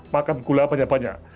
makan gula banyak banyak